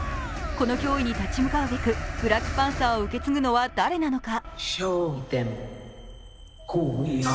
この脅威に立ち向かうべくブラックパンサーを受け継ぐのは誰なのか。